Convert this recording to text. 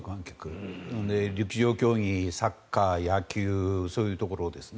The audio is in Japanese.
陸上競技、サッカー、野球そういうところですね。